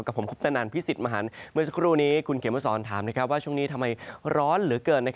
ผมคุปตนันพิสิทธิ์มหันเมื่อสักครู่นี้คุณเขมสอนถามว่าช่วงนี้ทำไมร้อนเหลือเกิน